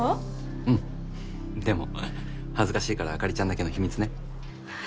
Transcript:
うんでも恥ずかしいからあかりちゃんだけの秘密ね